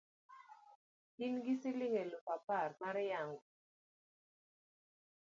in gi siling' aluf apar mar yang'o?